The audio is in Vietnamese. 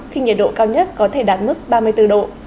khi nhiệt độ cao nhất có thể đạt mức ba mươi bốn độ